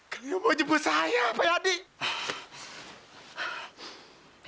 kayak mau jemput saya pak yadi